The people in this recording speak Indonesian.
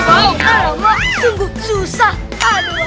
aduh sungguh susah aduh